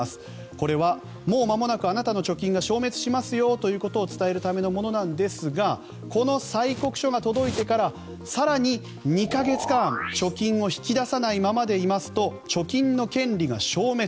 これはもう間もなくあなたの貯金が消滅しますよと知らせるものですがこの催告書が届いてから更に２か月間貯金を引き出さないままでいますと貯金の権利が消滅。